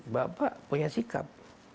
bapak punya sikap